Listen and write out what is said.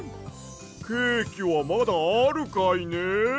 ケーキはまだあるかいね？